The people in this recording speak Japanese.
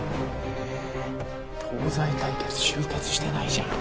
えー東西対決終結してないじゃん。